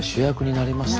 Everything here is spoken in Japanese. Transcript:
なりますね。